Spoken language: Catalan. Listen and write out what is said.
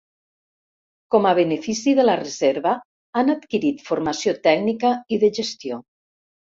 Com a benefici de la Reserva han adquirit formació tècnica i de gestió.